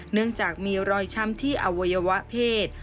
เนื่องจากมีรอยช้ำที่อวัยวะเพศ